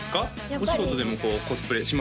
お仕事でもコスプレします？